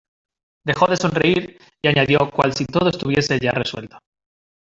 dejó de sonreír, y añadió cual si todo estuviese ya resuelto: